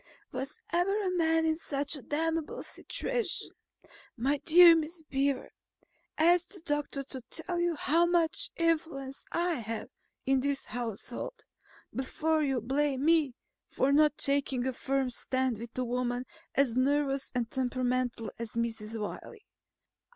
Was ever a man in such a damnable situation? My dear Miss Beaver, ask the doctor to tell you how much influence I have in this household, before you blame me for not taking a firm stand with a woman as nervous and temperamental as Mrs. Wiley.